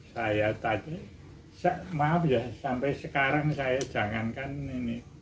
saya tadi maaf ya sampai sekarang saya jangankan ini